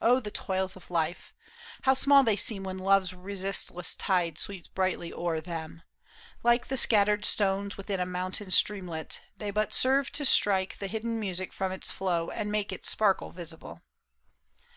O the toils of life ! How small they seem when love's resistless tide PAUL ISHAM. 45 Sweeps brightly o'er them ! Like the scattered stones Within a mountain streamlet, they but serve To strike the hidden music from its flow And make its sparkle visible.